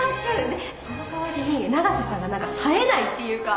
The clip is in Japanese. でそのかわりに永瀬さんが何か冴えないっていうか。